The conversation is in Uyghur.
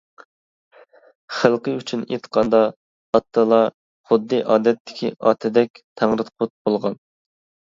خەلقى ئۈچۈن ئېيتقاندا، ئاتتىلا خۇددى ئادەتتىكى ئاتىدەك تەڭرىقۇت بولغان.